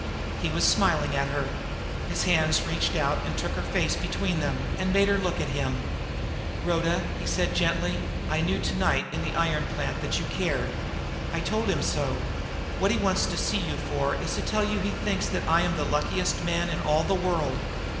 He was smiling at her. His hands reached out and took her face between them, and made her look at him. "Rhoda," he said gently, "I knew to night in the iron plant that you cared. I told him so. What he wants to see you for is to tell you that he thinks I am the luckiest man in all the world.